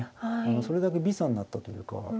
それだけ微差になったというか。